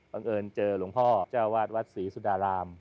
เอิญเจอหลวงพ่อเจ้าวาดวัดศรีสุดาราม